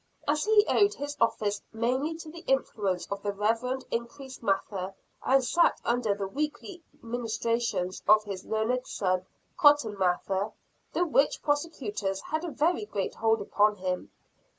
As he owed his office mainly to the influence of the Rev. Increase Mather, and sat under the weekly ministrations of his learned son, Cotton Mather, the witch prosecutors had a very great hold upon him.